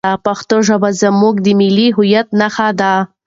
پښتو ژبه زموږ د ملي هویت نښه ده.